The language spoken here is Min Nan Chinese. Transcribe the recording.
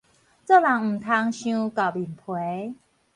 做人毋通傷厚面皮